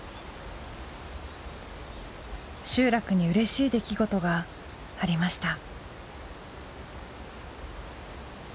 集落にうれしい出来事がありました。